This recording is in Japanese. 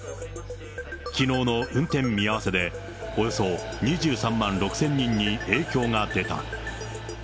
きのうの運転見合わせで、およそ２３万６０００人に影響が出た。